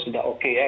sudah oke ya